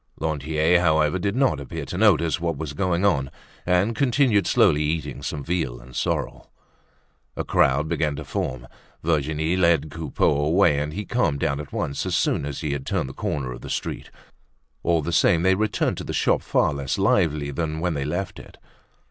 Lantier, however, did not appear to notice what was going on and continued slowly eating some veal and sorrel. A crowd began to form. Virginie led Coupeau away and he calmed down at once as soon as he had turned the corner of the street. All the same they returned to the shop far less lively than when they left it.